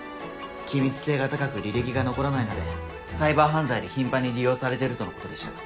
機密性が高く履歴が残らないのでサイバー犯罪で頻繁に利用されてるとのことでした。